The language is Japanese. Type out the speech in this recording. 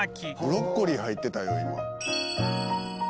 ブロッコリー入ってたよ